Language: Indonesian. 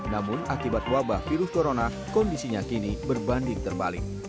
namun akibat wabah virus corona kondisinya kini berbanding terbalik